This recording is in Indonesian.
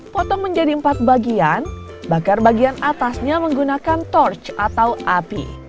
potong menjadi empat bagian bakar bagian atasnya menggunakan torch atau api